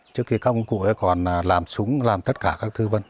trước kia các ông cũ còn làm súng làm tất cả các thứ vâng